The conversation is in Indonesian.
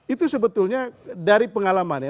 itu sebetulnya dari pengalaman ya